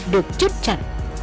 được chấp chặt